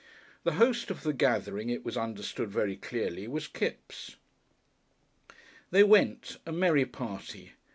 The host of the gathering, it was understood very clearly, was Kipps. They went, a merry party.